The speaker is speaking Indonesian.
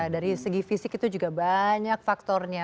dari segi fisik itu juga banyak faktornya